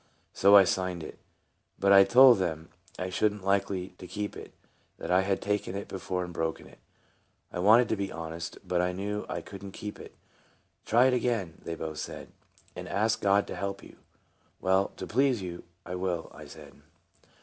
So I signed it. But I told them I should n't be likely to keep it, that I had taken it before, and broken it. I want ed to be honest, but I knew I couldn't keep it. " Try it again," they both said, " and ask God to help you." "Well, to please you, I will," I said.